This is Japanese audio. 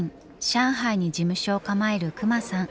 上海に事務所を構える隈さん。